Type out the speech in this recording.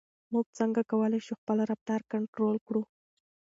موږ څنګه کولای شو خپل رفتار کنټرول کړو؟